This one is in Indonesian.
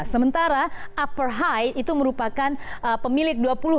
sementara upper high itu merupakan pemilik dua puluh